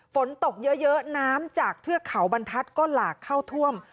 ฝนตกเยอะน้ำจากเทือกเขาบรรทัศน์ก็หลากเข้าท่วม